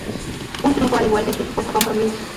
Un truco al igual que su supuesto compromiso.